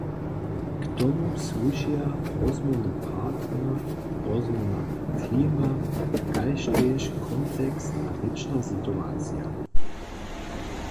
K tomu słušeja rozmołwny partner, rozmołwna tema kaž tež kontekst a rěčna situacija.